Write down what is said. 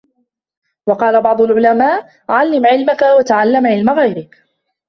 وَقَالَ بَعْضُ الْعُلَمَاءِ عَلِّمْ عِلْمَك وَتَعَلَّمْ عِلْمَ غَيْرِك